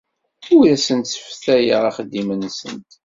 Ur asent-sfatayeɣ axeddim-nsent.